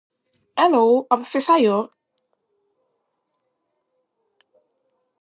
It has been confirmed that there is a muskellunge in Blue Heron Lake.